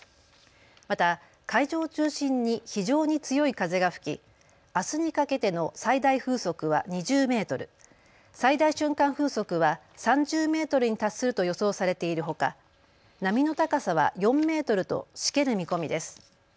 また海上を中心に非常に強い風が吹き、あすにかけての最大風速は２０メートル、最大瞬間風速は３０メートルに達すると予想されているほか波の高さは４メートルとしける見込みです。